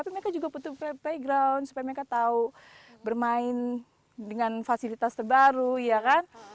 tapi mereka juga butuh playground supaya mereka tahu bermain dengan fasilitas terbaru ya kan